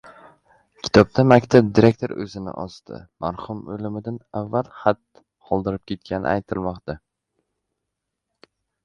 Kitobda maktab direktori o‘zini osdi. Marhum o‘limidan avval xat qoldirib ketgani aytilmoqda